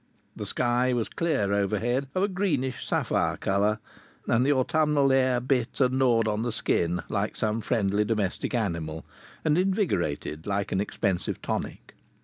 The sky was clear overhead, of a greenish sapphire colour, and the autumnal air bit and gnawed on the skin like some friendly domestic animal, and invigorated like an expensive tonic.